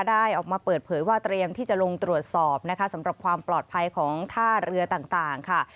ได้ออกมาเปิดเผยว่าเตรียมที่จะลงตรวจสอบนะคะสำหรับความปลอดภัยของท่าเรือต่างค่ะ